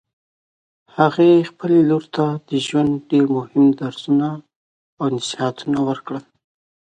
هغې خپلې لور ته د ژوند ډېر مهم درسونه او نصیحتونه ورکړل